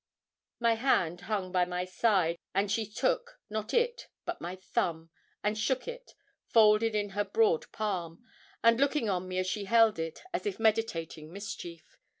My hand hung by my side, and she took, not it, but my thumb, and shook it, folded in her broad palm, and looking on me as she held it, as if meditating mischief.